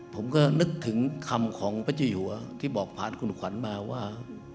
ผมก็นึกถึงคำของพระเจ้าหัวที่บอกผ่านคุณขวัญมาว่า